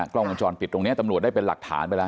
กล้องวงจรปิดตรงนี้ตำรวจได้เป็นหลักฐานไปแล้ว